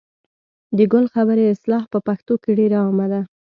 د ګل خبرې اصطلاح په پښتو کې ډېره عامه ده.